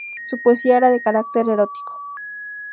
Su poesía era de carácter erótico.